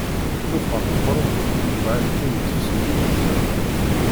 Tuffɣa meqqren mbeɛd tin n Tefsut n yimaziɣen.